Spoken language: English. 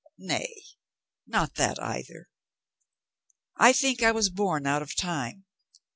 "Nay, not that either. I think I was born out of time.